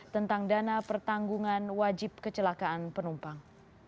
tentang dana pertanggungan wajib kecelakaan penumpang